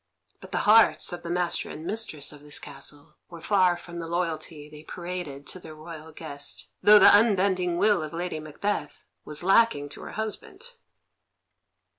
But the hearts of the master and mistress of this castle were far from the loyalty they paraded to their royal guest, though the unbending will of Lady Macbeth was lacking to her husband.